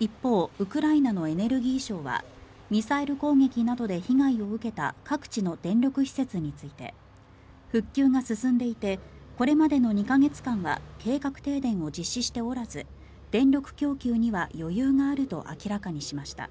一方ウクライナのエネルギー省はミサイル攻撃などで被害を受けた各地の電力施設について復旧が進んでいてこれまでの２か月間は計画停電を実施しておらず電力供給には余裕があると明らかにしました。